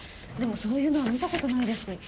でもそういうのは見たことないです。